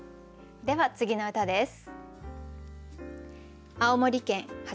では次の歌です。